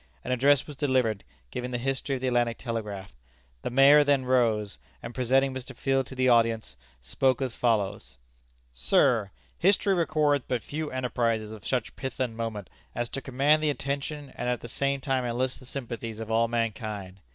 An address was delivered, giving the history of the Atlantic Telegraph. The Mayor then rose, and presenting Mr. Field to the audience, spoke as follows: "Sir: History records but few enterprises of such 'pith and moment' as to command the attention and at the same time enlist the sympathies of all mankind.